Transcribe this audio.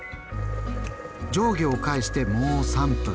上下を返してもう３分。